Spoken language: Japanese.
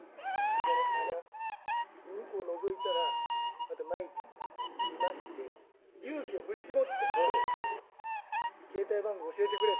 そこの穴をのぞいたらまた舞ちゃんがいまして勇気を振り絞ってうん「携帯番号教えてくれ」